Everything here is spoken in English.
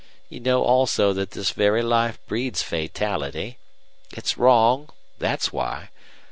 You know also that this very life breeds fatality. It's wrong that's why.